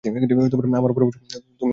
আমার পরামর্শ, তুমি কোন প্রশ্ন করবে না।